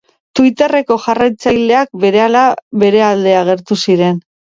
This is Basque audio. Twiterreko jarraitzaileak berehala bere alde agertu ziren.